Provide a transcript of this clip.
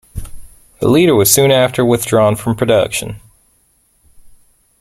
The Leader was soon after withdrawn from production.